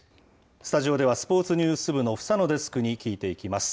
スタジオでは、スポーツニュース部の房野デスクに聞いていきます。